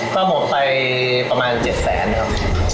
ก็ผมไปประมาณ๗แสนครับ